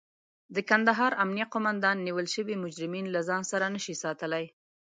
د کندهار امنيه قوماندان نيول شوي مجرمين له ځان سره نشي ساتلای.